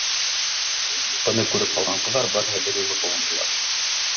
Быны күреп ҡалған ҡыҙҙар барыһы бер юлы ҡыуандылар: